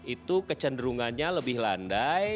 itu kecenderungannya lebih landai